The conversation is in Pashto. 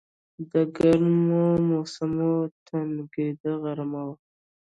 د ګرمی موسم کې ټکنده غرمه وه.